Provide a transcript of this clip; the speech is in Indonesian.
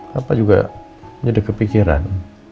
papa juga jadi kepikiran